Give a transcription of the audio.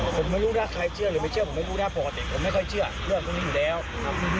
ผมไม่รู้นะใครเชื่อหรือไม่เชื่อผมไม่รู้นะปกติผมไม่ค่อยเชื่อเรื่องพวกนี้อยู่แล้วครับ